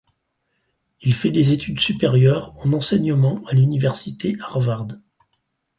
Il fait des études supérieures en enseignement à l'université Harvard.